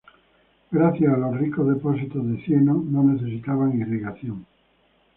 Gracias a los ricos depósitos de cieno no necesitaban irrigación.